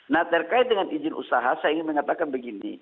nah terkait dengan izin usaha saya ingin mengatakan begini